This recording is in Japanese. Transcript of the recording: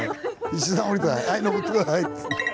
石段下りて「はい上って下さい」って。